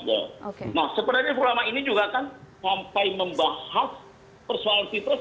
nah sebenarnya ulama ini juga kan sampai membahas persoalan pilpres